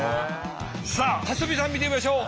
さあ蓮見さん見てみましょう。